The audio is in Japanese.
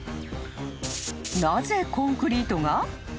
［なぜコンクリートが？］